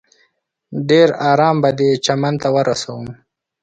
ډېر ارام به دې چمن ته ورسوم.